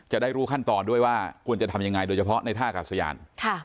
จะได้รู้ขั้นตอนด้วยว่าควรจะทำยังไงโดยเฉพาะในท่ากาศยาน